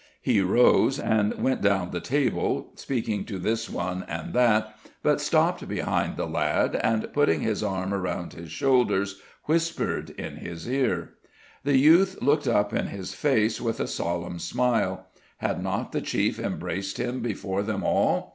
He rose and went down the table, speaking to this one and that, but stopped behind the lad, and putting his arm round his shoulders, whispered in his ear. The youth looked up in his face with a solemn smile: had not the chief embraced him before them all!